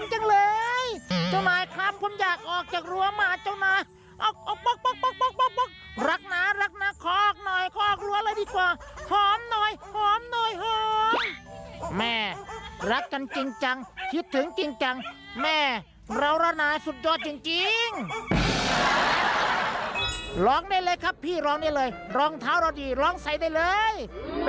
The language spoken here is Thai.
เฮ้ยเป็นนี่ครับดิวไหมครับพี่ได้ไหมครับ